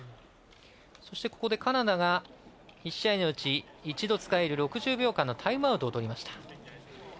そして、カナダが１試合のうち一度使える６０秒間のタイムアウトをとりました。